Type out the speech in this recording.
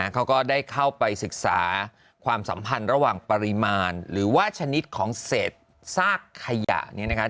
เขาก็ได้เข้าไปศึกษาความสัมพันธ์ระหว่างปริมาณหรือว่าชนิดของเศษซากขยะเนี่ยนะคะ